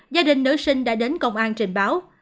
gia đình nữ sinh đã đến công an trình báo